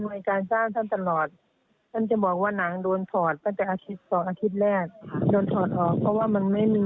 ไม่มีต่างส่งที่จะขาย